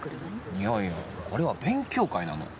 いやいやこれは勉強会なの。